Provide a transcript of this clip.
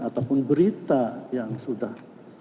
ataupun berita yang sudah